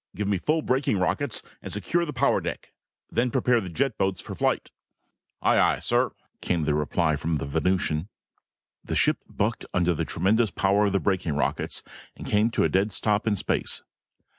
Give me full braking rockets and secure the power deck. Then prepare the jet boats for flight." "Aye, aye, sir," came the reply from the Venusian. The ship bucked under the tremendous power of the braking rockets and came to a dead stop in space.